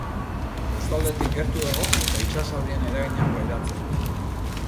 Kostaldetik gertu dago eta itsasaldien eragina pairatzen du.